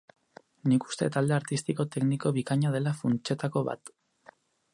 Nik uste talde artistiko-tekniko bikaina dela funtsetako bat.